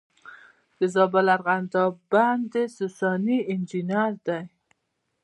د زابل ارغنداب بند د ساساني انجینر دی